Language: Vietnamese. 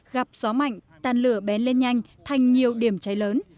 gặp gió mạnh tàn lửa bén lên nhanh thành nhiều điểm cháy lớn